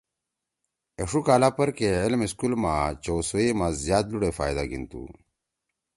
ایݜُوکالا پرکے علم سکولے ما چؤ سو ئے ما ذیاد لُوڑے فائیدہ گھیِن تُو۔